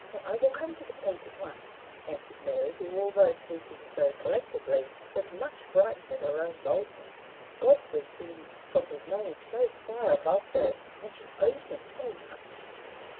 "I will come to the point at once," answered Mary; who, although speaking so collectedly, was much frightened at her own boldness: Godfrey seemed from his knowledge so far above her, and she owed him so much.